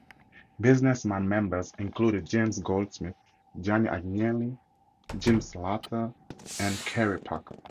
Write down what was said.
Businessman members included James Goldsmith, Gianni Agnelli, Jim Slater, and Kerry Packer.